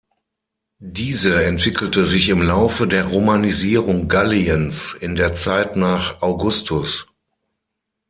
Diese entwickelte sich im Laufe der Romanisierung Galliens in der Zeit nach Augustus.